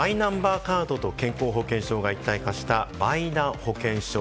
マイナンバーカードと健康保険証が一体化した、マイナ保険証。